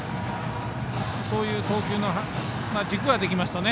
そういう投球の軸ができましたね。